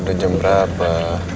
udah jam berapa